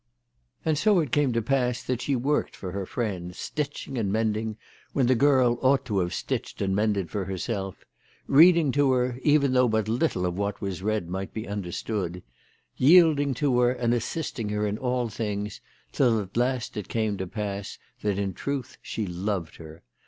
And so it came to pass that she worked for her friend, stitching and mending when the girl ought to have stitched and mended for herself, reading to her, even though but little of what was read might be understood, yielding to her and assisting her in all things, till at last it came to pass that in truth she loved her.